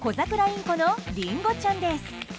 インコのりんごちゃんです。